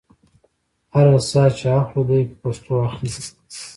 هر ساه چې اخلو دې په پښتو اخلو.